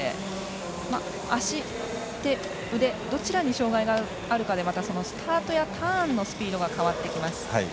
足、手、腕どちらに障がいがあるかでスタートやターンのスピードが変わってきます。